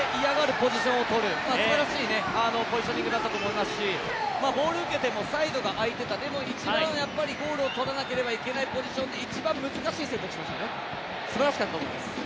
ポジションをとる、すばらしいポジショニングだったと思いますし、ボールを受けてもサイドが空いてたでも一番ゴールを取らなければいけないポジションで一番難しい選択をしましたね、すばらしかったと思います。